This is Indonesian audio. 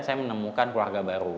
saya menemukan keluarga baru